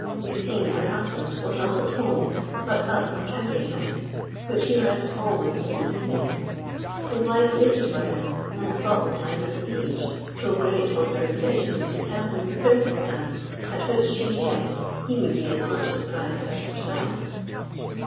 "Cassim, her husband, was not at home, but at his counting house, which he left always in the evening. His wife waited for him, and thought the time an age; so great was her impatience to tell him the circumstance, at which she guessed he would be as much surprised as herself.